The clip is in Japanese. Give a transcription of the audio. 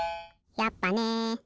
やっぱね！